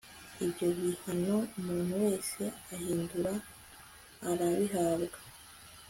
ibyo bihano umuntu wese uhindura arabihabwa